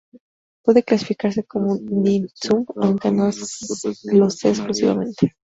Puede clasificarse como un "dim sum", aunque no lo sea exclusivamente.